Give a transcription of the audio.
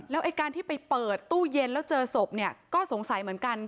ไอ้การที่ไปเปิดตู้เย็นแล้วเจอศพเนี่ยก็สงสัยเหมือนกัน